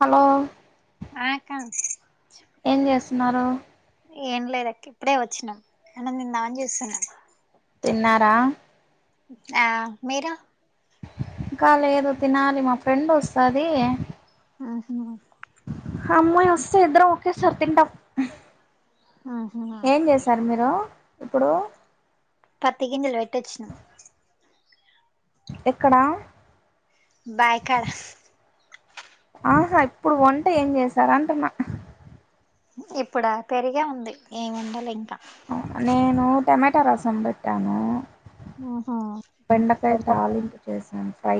Hello ఆ అక్క ఏం చేస్తున్నారు ఏం లేదు అక్క ఇప్పుడే వచ్చినాం అన్నం తిందామని చూస్తున్నా తిన్నారా ఆ మీరు ఇంకా లేదు తినాలి మా ఫ్రెండ్ వస్తది ఆహా ఆ అమ్మాయి వస్తే ఇద్దరం ఒకేసారి తింటాం ఉహు ఏం చేశారు మీరు ఇప్పుడు పత్తి గింజలు పెట్టి వచ్చిన ఎక్కడా బాయికాడ ఆహా ఇప్పుడు వంటే ఏం చేశారు అంటున్నా ఇప్పుడా పెరిగే ఉంది ఏం వండలే ఇంకా నేను టమాటా రసం పెట్టాను ఉహు బెండకాయ తాలింపు చేశాను ఫ్రై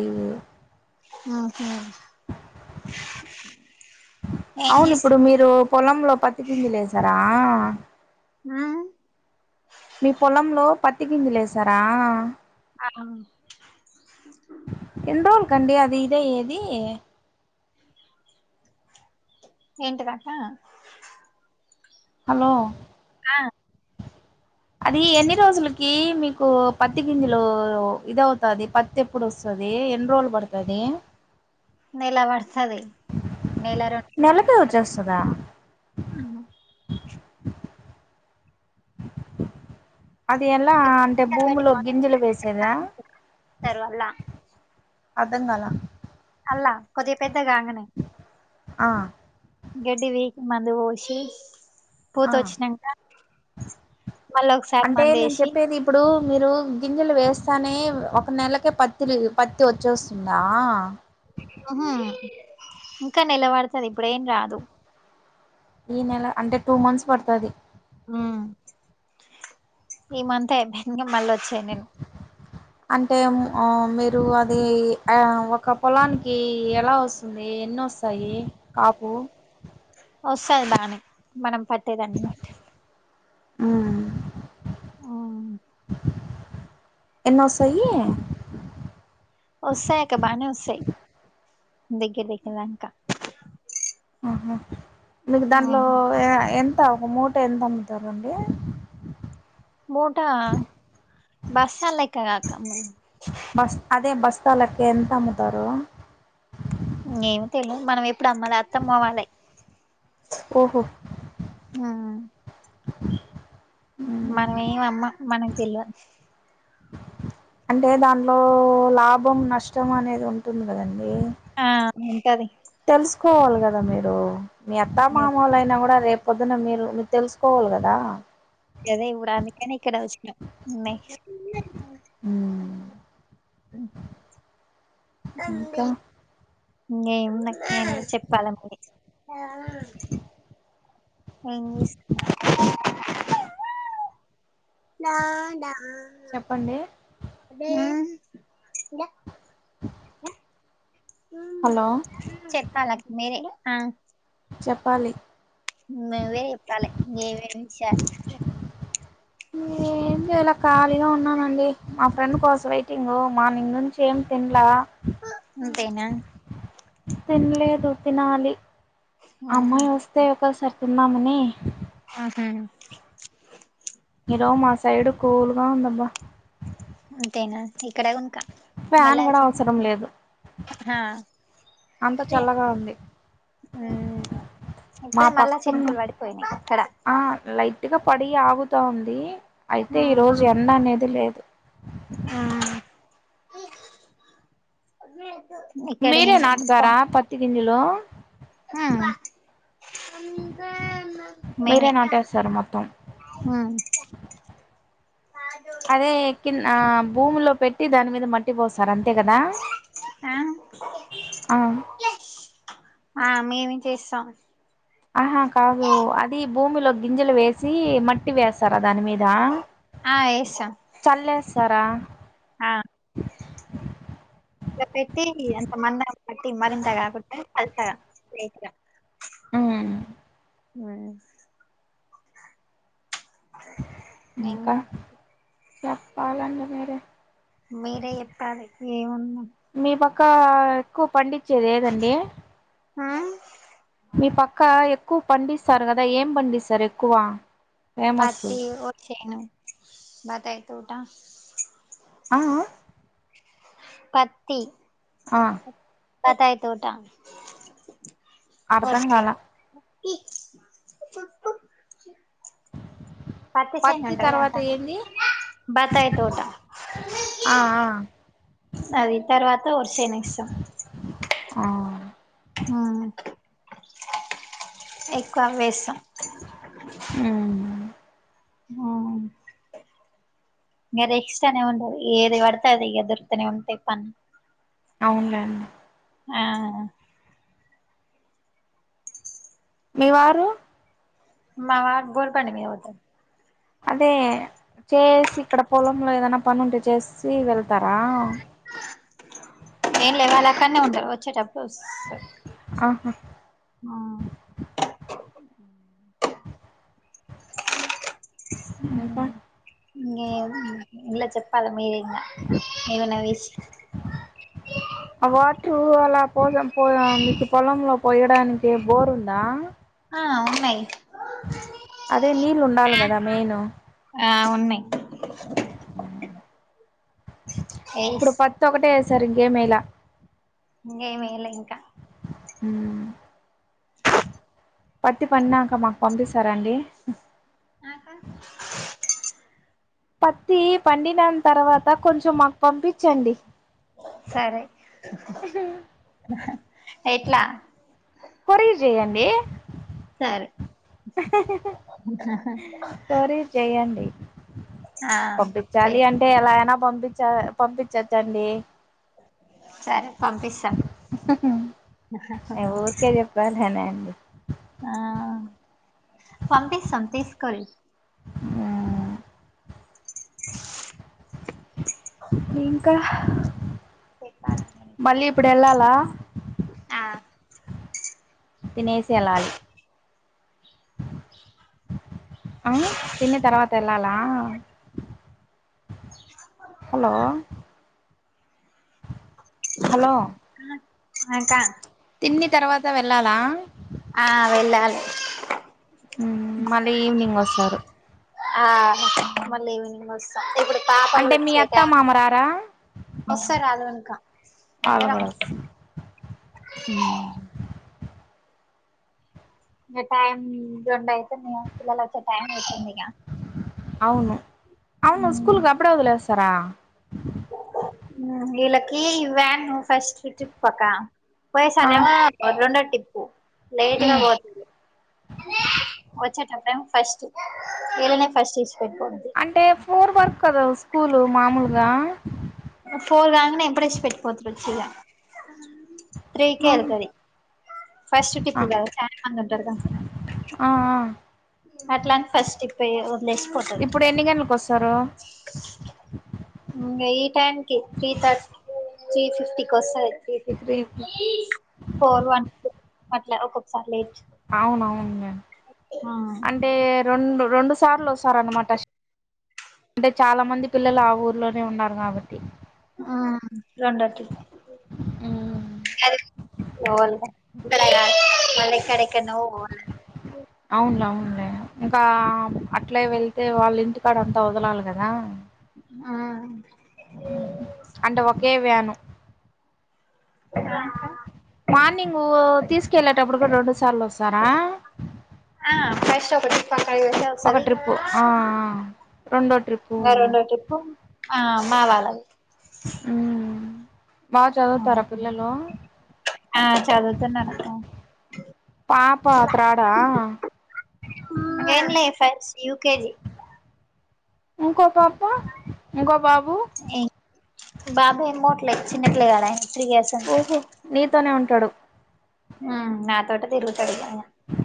ఆహ ఏం అవును చేస్ ఇప్పుడు మీరు పొలంలో పత్తి గింజలు వేశారా ఉ మీ పొలంలో పత్తిగింజలు లేసారా అవును ఎన్ని రోజులకండి అది ఇదయ్యేది ఏంటిదక్కా హలో ఆ అది ఎన్ని రోజులకి మీకు పత్తి గింజలు ఇదవుతాది పత్ ఎప్పుడు వస్తుంది ఎన్ని రోజులు పడుతుంది నెలపడుతుది నెల రెం నెలకే వచ్చేస్తుందా అది ఎలా అంటే నెల భూమిలో గింజలు వేసేదా తర్వల్ల అర్థం కాలే అల్లా కొద్దిగా పెద్దగాంగనే ఆ గడ్డి వీకి మందు పోసి పూత ఆ వచ్చినాక మళ్ళీ ఒకసారి అంటే మందు నేను వేసి చెప్పేది ఇప్పుడు మీరు గింజలు వేస్తేనే ఒక నెలకే పత్తిలు పత్తి వచ్చేస్తుందా ఇంకా నేలబడుతది ఇప్పుడేం రాదు ఈ నెల అంటే టూ మంత్స్ పడుతుంది ఉ ఈ మంత్ అయిపోయినాక మళ్ళీ వచ్చే నేల అంటే మీరు అది ఒక పొలానికి ఎలా వస్తుంది ఎన్ని వస్తు స్తాయి కాపు వస్తాది బానే మనం పట్టేదాన్ని బట్టి ఆ ఉమ్, ఎలా వ స్తాయి వస్తాయక్క బాగానే వస్తాయి దగ్గర దగ్గరదాకా ఆహా మీకు దానిలో ఎంత ఒక మో ట ఎంతముతారండి మూట బస్లైక్క కాక్క బస్ అదే బస్ స్థాలెక్క ఎంత అమ్ముతారు ఏమి తెలిదు మనం ఎప్పుడు అమ్మాలే అత్తమ్మ వాళ్లే ఓహో ఆ మనమేమి అమ్మ మనకు తెలివదు అంటే దాంట్లో లాభం నష్టం అనేది ఉంటుంది కదండీ ఆ ఉంటది తెలుసుకోవాలి కదా మీరు మీ అత్తా మామలు అయినా కూడా రేపు పొద్దున్న మీరు మీరు తెలుసుకోవాలి కదా ఇంగదే ఇప్పుడు అందుకనే ఇక్కడ వచ్చిన ఉన్నాయి మ్మ్ ఇంగేమున్నాయి ఏదైనా చెప్పాల మీరే ఏం చెస్ నా చెప్పండి మ్మ్ హలో ప్పాల మీరే మ్మ్ చెప్పాలి నువ్వే చెప్పాలే ఏవైనా విషయాలు ఏం చేయలా ఖాళీగా ఉన్నానండి మా ఫ్రెండ్ కోస వెయిటింగ్ మార్నింగ్ నుంచి ఏం తిన్లా అంతేనా తినలేదు తినాలి అమ్మాయి వస్తే ఒకసారి తిన్నామని మ్మ్ హు ఈరోజు మా సైడ్ కూల్గా ఉందబ్బా అంతేనా ఇక్కడ గునక ఫ్యాన్ కూడా మళ్ళచ్చి అవసరం లేదు అంత చల్లగా ఉంది మ్మ్ మా ఇప్పుడే మళ్ళా పక్కన చినుకులు పడిపోయినాయి ఇక్కడ ఆ లైట్గా పడి ఆగుతా ఉంది అయితే ఈ రోజు ఎండ అనేది లేదు ఆ మీరే నాటుతర పత్ త్తి గింజలు మీరే నాట్ ఏస్తారు మొత్తం మ్మ్ అదే కిన్ భూమిలో పెట్టి దాని మీద మట్ ట్టి పోస్తారు అంతే కదా ఆ ఓకే ఆ మేమే చేస్తాం ఆహా కాదు అది భూమిలో గింజలు వేసి మట్ టి వేస్తారా దాని మీద ఆ వేస్తాం చల్లేస్తారా ఆ ఇంగ పెట్టి అంత మందం మట్టి మరింత కాకుండా పలచగా లైటుగా మ్మ్ [unintelligible] ఇంకా చెప్పాలండి మీరే మీరే చెప్పాలే ఏమున్నది మీ పక్క ఎక్కువ పండిచ్చేది ఏదండి మ్మ్ మీ పక్క ఎక్కువ పండిస్తారు కదా ఏం పండిస్తారు ఎక్కువ ఫేమస్ పత్తి ఒట్టిచెను బత్తాయి తోట ఆ పత్తి ఆ బతాయి తోట అర్ధం ఒకే కాల ఈ పత్తి చెన్ ఉంటుందిగాక తర్వాత ఏంది బత్తాయి తోట ఆ ఆ అది తర్వాత వరి సేను ఎస్తాం ఆ ఆ ఎక్కువ వేస్తాం ఉ ఆ ఇంగ రెక్స్ట్ ఎక్స్ట్రానే ఉండదు ఏది పడితే అది ఇగ దొరుతూనే ఉంటాయి పన్ అవునులేండి ఆ మీ వారు మా వారు బోరు పని మీద పోతాడు అదే చేసి ఇక్కడ పొలంలో ఏదైనా పని ఉంటే చేసి వెళ్తారా ఏం లే వాళ్ళ అక్కనే ఉంటారు వచ్చేటప్పుడు వస్త ఆహా ఆ ఇంకా ఇంగేముంది ఎమ్ల చెప్పాల మీరే ఇంగ ఏదనా విష్ ఆ వాటరు అలా పోస పో మీకు పొలంలో పోయడానికి బోరు ఉందా ఆ ఉన్నాయి అదే నీళ్ళు ఉండాల కదా మెయిను ఆ ఉన్నాయి ఎస్ ఇప్పుడు పత్ ఒకటే వేసారు ఇంకేమ్ వేయల ఇంగేం వేయల ఇంకా ఊ పత్తి పడినాక మాకు పంపిస్తారాండి ఆకా పత్తి పండిన తర్వాత కొంచెం మాకు పంపించండి సరే ఎట్లా కొరియర్ చెయండి సరే కొరియర్ చెయ్యండి ఆ చేయి, పంపించాలి అంటే ఎలా అయినా పంపించ పంపించిచ్చండి సరే పంపిస్తాం ఊరికే చెప్ లననా అండి ఆ పంపిస్తాం తీసుకొరి హ్మ్. ఇంకా మళ్ళీ ఇప్పుడు ఎళ్ళాలా ఆ తినేసీ ఎళ్ళాలి ఆ తిన్న తర్వాత ఎళ్ళాలా హలో హలో హాయ్ క్క తిన్ని తర్వాత వెళ్ళాలా ఆ వెళ్ళాలి మ్మ్ మళ్ళీ ఈవినింగ్ వస్తారు ఆ మళ్ళీ ఈవినింగ్ వస్తాం ఇప్పుడు పాపలు అంటే మీ వచ్చె అత్త టై మామ రారా వస్తరాలు ఇంక వాళ్ళు అందరం కూడా వస్తారు హ్మ్ మీ టైమ్ రెండు అయితే మీ పిల్లలోచ్చే టైం వతుంది ఇక అవును స్కూలు అప్పుడే వదిలేస్తారా వీళ్ళకి ఇవ్యాను ఫస్ట్ ట్రిప్ అక్క పోయ్నా ఆ సరేమో రెండో టిప్పు లేట్గా హ్మ్ పోతుంది వచ్చేటప్పుడేమో ఫస్ట్ వీళ్లనే ఫస్ట్ విడిచి పెట్టి పోతుంది అంటే ఫ్లోర్ వర్కి కదా స్కూలు మామూలుగా పోర్గాంగ్నే ఇప్పుడ్ ఇడిచి పెట్ పోతురుచ్చ ఇగ త్రీ కే ఆహా! వెళ్తుంది ఫస్ట్ ఆ టిప్పు కాదు శాంమంగ్ ఉంటారు కదా ఆ అట్లాంటి ఫస్ట్ ట్రిప్ వేయరు వదిలేసి పోతాడు ఇప్పుడు ఎన్ని గంటలకు వస్తారు ఈ టైం కే త్రీ థర్టీ త్రీ ఫిఫ్టీకి వస్తది three fifty three four one అట్ల ఒక్కొక్కసారి లేట్ అవునవును ఆ అంటే రెండు రెండు సార్లు వస్తారన్నమాట అంటే చాలా మంది పిల్లలు ఆ ఊర్లోనే ఉన్నారు కాబట్టి ఆ రెండో ట్రిప్ మల్లెక్కడెక్కడో పోవాలి అవున అవునులే ఇంకా అట్లా వెళ్తే వాళ్ళ ఇంటికాడ అంతా వదలాలి కదా ఆ అంటే ఒకే వ్యాను కా మార్నింగు తీసుకెళ్ళేటప్పుడు కూడా రెండు సార్లు వస్తారా ఆ ఫస్ట్ ఒకటి ట్రిప్ అక్కడ వస్తే ఒక వస్తది ట్రిప్పు ఆ రెండో ట్రిప్పు ఇంకా రెండో ట్రిప్పు చెప్పు ఆ మావాళ్లే ఊ బాగా చదువుతారా పిల్లలు ఆ చదువుతున్నారు పాప థర్డ్ ఆ ఏం లేదు ఫస్ట్ యూకేజీ ఇంకో పాప ఇంకో బాబు ఏ బాబు ఏం చదవట్లే చిన్నపిల్లగాడు త్రీ ఇయర్స్ అంతే ఓహో నీతోనే ఉంటాడు ఉమ్ నాతోటే తిరుగుతాడు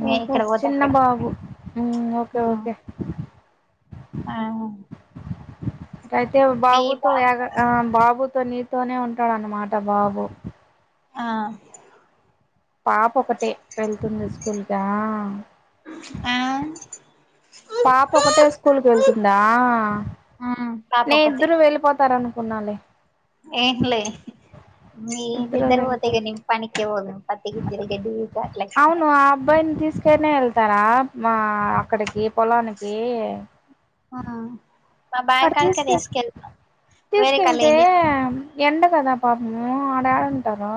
నే ఓహో ఇక్కడ పోతే చిన్న అక్కడ బాబు హ్మ్ ఓకే ఓకే ఆ అటయితే ఓ మీ బాబుతో బా ఎగ ఆ బాబుతో నీతోనే ఉంటాడు అన్నమాట బాబు ఆ పాప ఒకటే వెళ్తుంది స్కూల్ కా ఆహ్ పాప ఒకటే స్కూల్కి వెళ్తుందా హమ్ నేను ఇద్దరు వెళ్ళిపోతారు అనుకున్నాలే ఏన్లే ఇద్దరు వీళ్ళిద్దరూ పోతే వెళ్ళిపోతారు నేను ఇంకా పనికి పోదును పత్తి గింజల గడ్డి దాంట్లకి ఆ అవును అబ్బాయిని తీసుకు తీసుకునే వెళ్తారా మా అక్కడికి పొలానికి ఆ అక్కడ తీసుకెళ్ వేరే కాళ్ళు తీసుకెళ్తే ఏం చేస్తాం ఎండ కదా పాపము వాడు ఏడుస్తాడు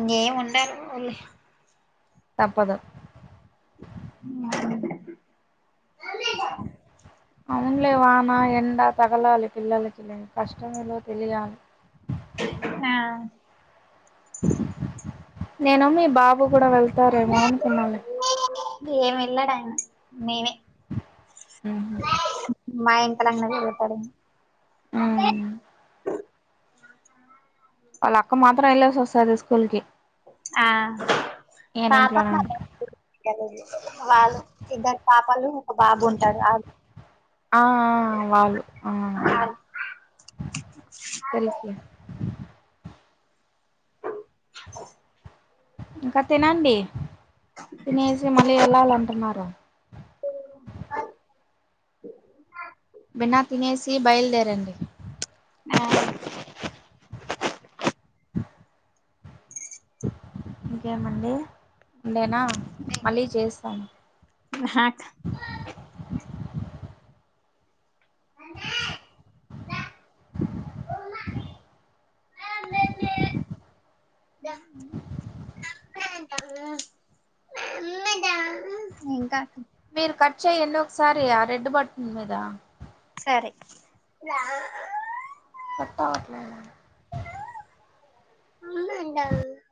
ఇకేము ఉండారులే తప్పదు ఊ అవునులే వాన ఎండ తగలాలి పిల్లలకి కష్టమేమిటో తెలియాలి ఆ నేను మీ బాబు కూడా వెళ్తారేమో అనుకున్నాలే ఏమి వెళ్ళాడాయన మేమే ఊహ మా వెనకాల వెనకాలనే తిరుగుతాడు ఉమ్ వాళ్ళ అక్క మాత్రం వెళ్ళేసి వస్తది స్కూల్ కి ఆ ఈయన పాప [unintelligible] ఇంట్లోనే ఉంటాడు వాళ్ళు ఇద్దరు పాపలు ఒక బాబు ఉంటారు ఆ వాళ్ళు ఆ తెలుసులే ఇంకా తినండి తినేసి మళ్ళీ వెళ్ళాలంటున్నారు బిన తినేసి బయలుదేరండి ఆ ఇంకేమండి నేనా మళ్ళీ చేస్తాను హక అ వా ఇంకా మీరు కట్ చేయన్న ఒకసారి ఆ రెడ్ బటన్ మీద సరే కట్ అవ్వట్లేదు ఉంట [unintelligible]